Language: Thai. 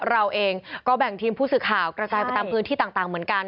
เราเองก็แบ่งทีมผู้สื่อข่าวกระจายไปตามพื้นที่ต่างเหมือนกัน